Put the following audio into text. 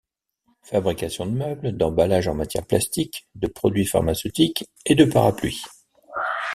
Fabrication de meubles, d’emballages en matières plastiques, de produits pharmaceutiques et de parapluies.